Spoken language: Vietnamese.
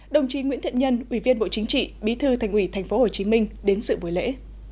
đồng chí nguyễn thiện nhân ủy viên bộ chính trị bí thư thành ủy tp hcm đến sự buổi lễ